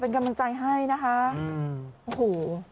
เป็นกำลังใจให้นะคะโอ้โห